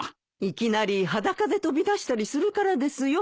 いきなり裸で飛び出したりするからですよ。